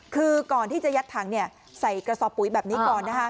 คือก่อนที่จะยัดถังใส่กระสอบปุ๋ยแบบนี้ก่อน